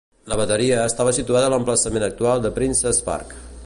La bateria estava situada a l'emplaçament actual de Princes Park.